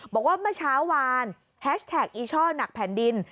บอกว่าเมื่อเช้าวานแฮชแท็กอีช่อหนักแผ่นดิน